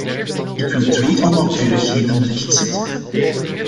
Ik wil twee onnauwkeurigheden rechtzetten.